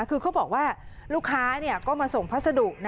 คือเขาบอกว่าลูกค้าก็มาส่งพัสดุ